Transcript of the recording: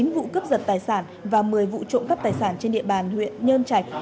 chín vụ cướp giật tài sản và một mươi vụ trộm cắp tài sản trên địa bàn huyện nhơn trạch